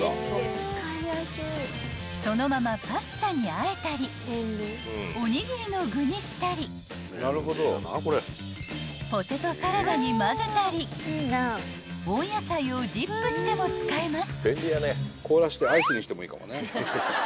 ［そのままパスタにあえたりおにぎりの具にしたりポテトサラダに混ぜたり温野菜をディップしても使えます］